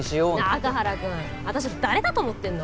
中原くん私を誰だと思ってんの？